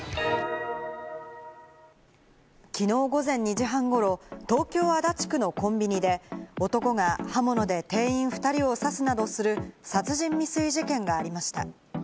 きのう午前２時半ごろ、東京・足立区のコンビニで男が刃物で店員２人を刺すなどする殺人未遂事件がありました。